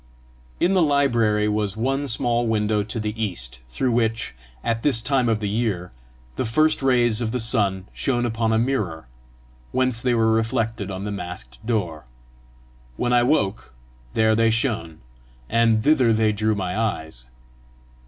In the library was one small window to the east, through which, at this time of the year, the first rays of the sun shone upon a mirror whence they were reflected on the masked door: when I woke, there they shone, and thither they drew my eyes.